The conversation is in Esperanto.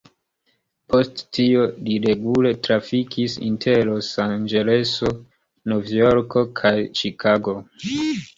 Post tio li regule trafikis inter Los-Anĝeleso, Novjorko kaj Ĉikago.